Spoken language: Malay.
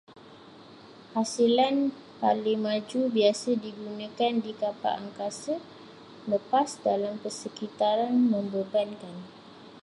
Hasilan paling maju biasa digunakan di kapal angkasa lepas dalam persekitaran membebankan